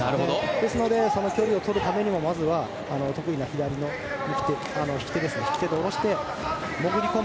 ですのでその距離をとるためにもまずは得意な左の引き手で下ろして潜り込む。